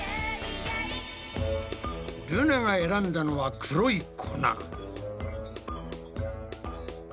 ルナが選んだのは黒い粉。